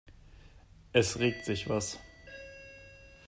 Es regt sich was.